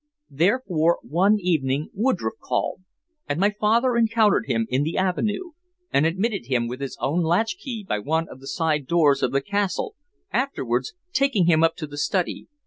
Therefore one evening Woodroffe called, and my father encountered him in the avenue, and admitted him with his own latchkey by one of the side doors of the castle, afterwards taking him up to the study.